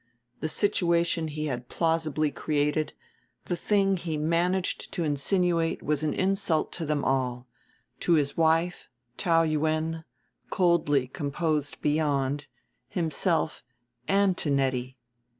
The situation he had plausibly created, the thing he managed to insinuate, was an insult to them all to his wife, Taou Yuen, coldly composed beyond, himself and to Nettie.